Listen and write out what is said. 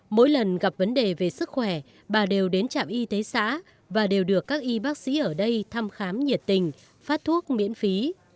mỗi lần gặp vấn đề về sức khỏe bà đều đến trạm y tế xã và đều được các y bác sĩ ở đây thăm khám nhiệt tình phát thuốc miễn phí